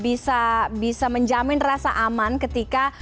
ini juga bisa menjamin rasa aman ketika